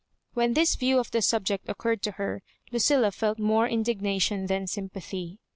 When this view of the subject occurred to her, Lucilla felt more indignation than sympathy.